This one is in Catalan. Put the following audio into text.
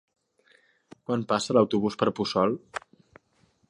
Quan passa l'autobús per Puçol?